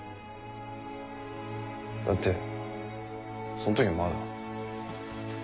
だってそのときはまだ。